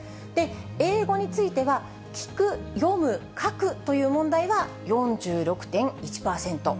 英語については、聞く、読む、書くという問題は４６．１％。